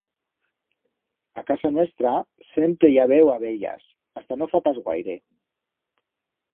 A casa nuestra sempre i ha habeu abellas, hasta no fa pas guaire.